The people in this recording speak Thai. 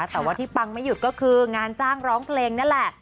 แต่ว่าที่ปังไม่หยุดก็คืองานจ้างร้องเพลงนั่นแหละ